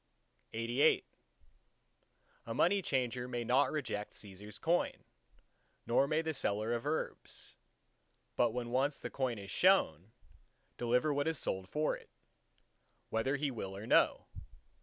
LXXXIX A money changer may not reject Cæsar's coin, nor may the seller of herbs, but must when once the coin is shown, deliver what is sold for it, whether he will or no.